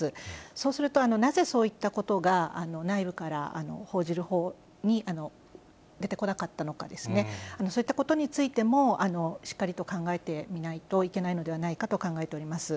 そうすると、なぜそういったことが内部から報じるほうに出てこなかったのかですね、そういったことについても、しっかりと考えてみないといけないのではないかと考えております。